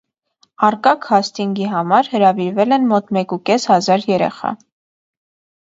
«Առկա քասթինգի» համար հրավիրվել են մոտ մեկուկես հազար երեխա։